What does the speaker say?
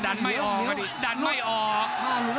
ดันไม่ออก